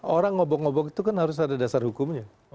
orang ngobok ngobok itu kan harus ada dasar hukumnya